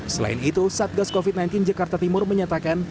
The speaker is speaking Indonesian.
selain itu satgas covid sembilan belas jakarta timur menyatakan